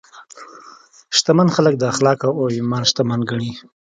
شتمن خلک د اخلاقو او ایمان شتمن ګڼي.